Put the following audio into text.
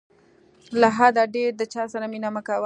له حده ډېر د چاسره مینه مه کوه.